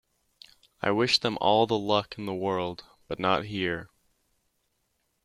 I wish them all the luck in the world, but not here...